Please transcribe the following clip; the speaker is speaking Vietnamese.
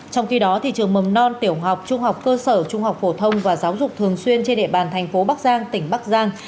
trong khi đó trường mầm non tiểu học trung học cơ sở trung học phổ thông và giáo dục thường xuyên trên địa bàn thành phố bắc giang tỉnh bắc giang